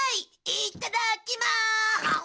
いただきまー！